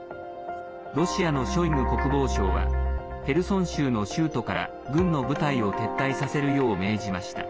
ロシアのショイグ国防相はヘルソン州の州都から軍の部隊を撤退させるよう命じました。